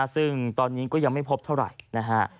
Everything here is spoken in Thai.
ซึ่งตอนนี้ก็ยังไม่พบเท่าไหร่นะฮะ